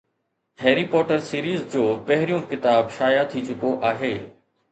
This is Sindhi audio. هيري پوٽر سيريز جو پهريون ڪتاب شايع ٿي چڪو آهي